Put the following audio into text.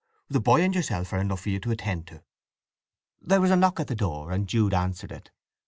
The boy and yourself are enough for you to attend to." There was a knock at the door, and Jude answered it.